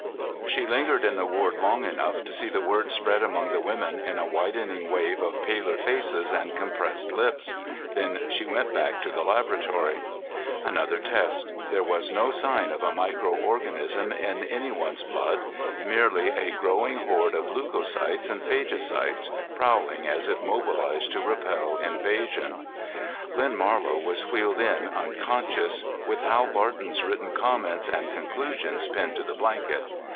She lingered in the ward long enough to see the word spread among the women in a widening wave of paler faces and compressed lips; then she went back to the laboratory. Another test. There was no sign of a micro organism in anyone's blood, merely a growing horde of leucocytes and phagocytes, prowling as if mobilized to repel invasion. Len Marlow was wheeled in unconscious, with Hal Barton's written comments and conclusions pinned to the blanket.